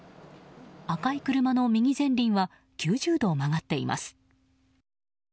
赤い車の右前輪は９０度曲がっています。